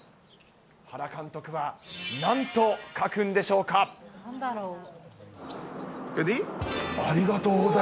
原監督はなんと書くんでしょこれでいい？